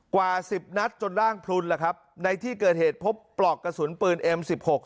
กว่าสิบนัดจนร่างพลุนละครับในที่เกิดเหตุพบปลอกกระสุนปืนเอ็มสิบหก